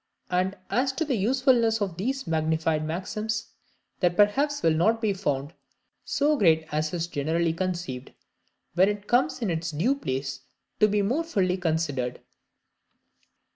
And as to the usefulness of these magnified maxims, that perhaps will not be found so great as is generally conceived, when it comes in its due place to be more fully considered.